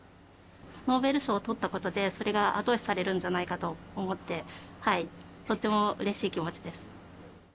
ノーベル賞をとったことで、それが後押しされるんじゃないかと思って、とってもうれしい気持ちです。